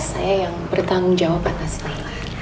saya yang bertanggung jawab atas tanah